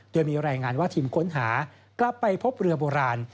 โดยมีรายงานว่าทีมค้นหากลับไปพบเรือโบราณ